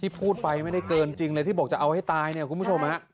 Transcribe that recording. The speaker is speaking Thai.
พูดไปไม่ได้เกินจริงเลยที่บอกจะเอาให้ตายเนี่ยคุณผู้ชมฮะ